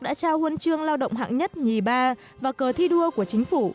đã trao huân chương lao động hạng nhất nhì ba và cờ thi đua của chính phủ